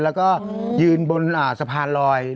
แล้วก็ยืนบนสะพานลอย